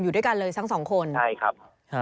อยู่ด้วยกันเลยทั้งสองคนใช่ครับ